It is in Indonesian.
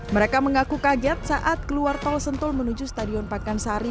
mereka mengaku kaget saat keluar tol sentul menuju stadion pakansari